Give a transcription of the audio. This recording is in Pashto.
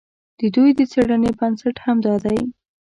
د دوی د څېړنې بنسټ همدا دی.